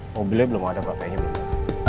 mobilnya belum ada papainya belum ada